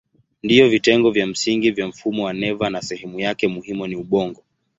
Ndiyo vitengo vya msingi vya mfumo wa neva na sehemu yake muhimu ni ubongo.